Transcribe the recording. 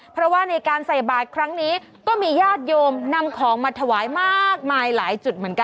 เพราะว่าในการใส่บาทครั้งนี้ก็มีญาติโยมนำของมาถวายมากมายหลายจุดเหมือนกัน